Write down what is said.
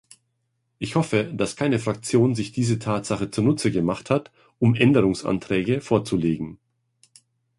Ich hoffe, dass keine Fraktion sich diese Tatsache zunutze gemacht hat, um Änderungsanträge vorzulegen.